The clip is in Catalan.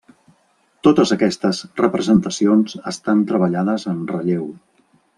Totes aquestes representacions estan treballades en relleu.